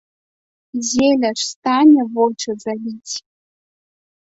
Зелля ж стане вочы заліць?